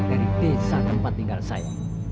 dari desa tempat tinggal saya